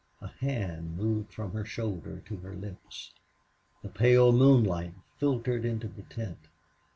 A hand moved from her shoulder to her lips. The pale moonlight filtered into the tent.